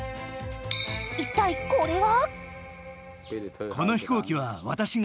一体これは？